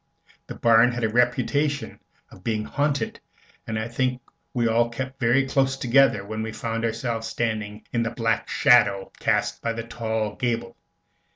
The barn had the reputation of being haunted, and I think we all kept very close together when we found ourselves standing in the black shadow cast by the tall gable.